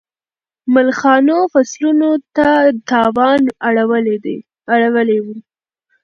ملخانو فصلونو ته تاوان اړولی و.